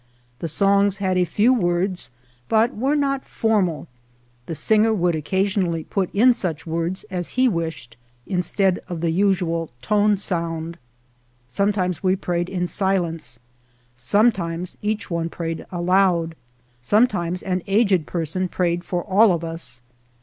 The songs had a few words, but were not formal. The singer would occasionally put in such words as he wished instead of the usual tone sound. Sometimes we prayed in silence; sometimes each one prayed aloud; sometimes an aged person prayed for all of us.